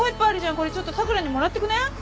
これちょっと桜にもらっていくね。